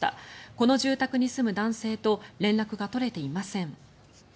この住宅に住む男性と連絡が取れていません。